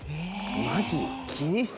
マジ？